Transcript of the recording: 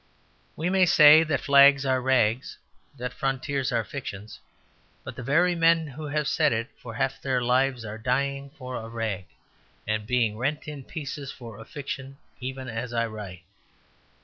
We may say that flags are rags, that frontiers are fictions, but the very men who have said it for half their lives are dying for a rag, and being rent in pieces for a fiction even as I write.